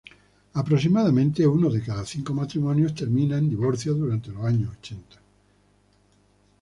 Aproximadamente uno de cada cinco matrimonios terminó en divorcio durante los años ochenta.